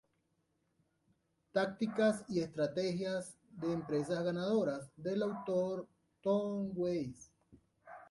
Tácticas y estrategias de empresas ganadoras"", del autor Tom Wise.